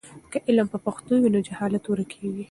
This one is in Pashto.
که علم په پښتو وي نو جهالت ورکېږي.